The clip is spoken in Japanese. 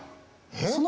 えっ？